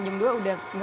jadi langsung oke